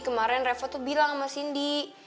kemaren reva tuh bilang sama sindi